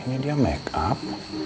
ini dia makeup